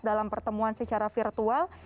dalam pertemuan secara virtual